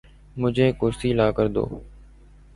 مجھے ایک کرسی لا کر دو